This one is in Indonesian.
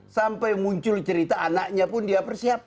sampai muncul cerita anaknya pun dia persiapkan